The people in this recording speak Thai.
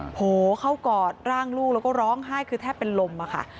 โผล่เข้ากอดร่างลูกแล้วก็ร้องไห้คือแทบเป็นลมอะค่ะ